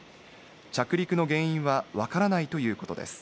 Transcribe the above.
着陸の原因はわからないということです。